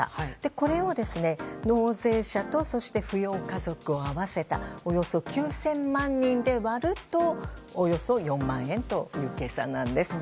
これを納税者と扶養家族を合わせたおよそ９０００万人で割るとおよそ４万円という計算なんです。